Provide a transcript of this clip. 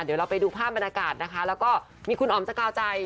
เดี๋ยวเราไปดูภาพบรรยากาศนะคะแล้วก็มีคุณอ๋อมสกาวใจ